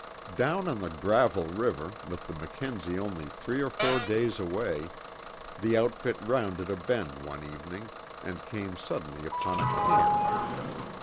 Down on the Gravel River, with the Mackenzie only three or four days away, the outfit rounded a bend one evening and came suddenly upon a camp.